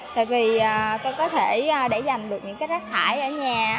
tại vì tôi có thể để dành được những rác thải ở nhà